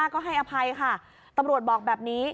กลับประโยชน์